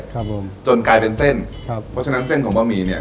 ครับผมจนกลายเป็นเส้นครับเพราะฉะนั้นเส้นของบะหมี่เนี้ย